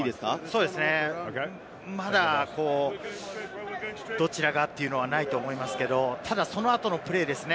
そうですね、まだこちらはというのはないですけど、その後のプレーですね。